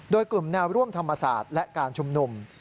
โดยกลุ่มแนวร่วมธรรมศาสตร์และการชุมนุม